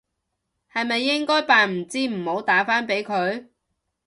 係咪應該扮唔知唔好打返俾佢？